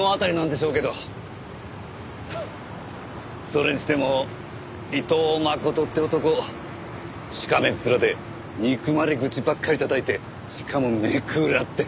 それにしても伊藤真琴って男しかめっ面で憎まれ口ばっかりたたいてしかもネクラって。